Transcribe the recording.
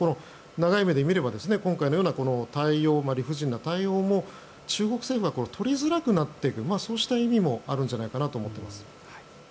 長い目で見れば今回のような理不尽な対応も中国政府は取りづらくなっていくそうした意味もあるんじゃないかなと思っています。